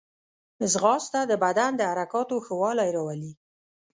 ځغاسته د بدن د حرکاتو ښه والی راولي